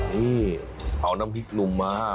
นี่เอาน้ำพริกลุงมา